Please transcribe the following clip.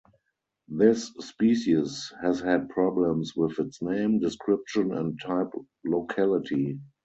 This species has had problems with its name, description and type locality.